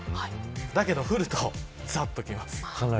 だけど降ると、ざっと来ます。